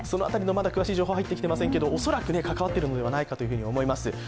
まだ詳しい情報は入ってきておりませんけれども、恐らく関わっているのではないかと思います。